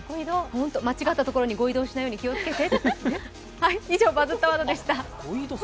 間違ったところに誤移動しないように気をつけて。